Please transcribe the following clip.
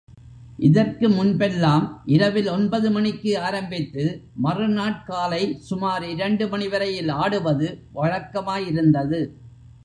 இதற்கு முன்பெல்லாம், இரவில் ஒன்பது மணிக்கு ஆரம்பித்து, மறு நாட்காலை சுமார் இரண்டு மணிவரையில் ஆடுவது வழக்கமாயிருந்தது.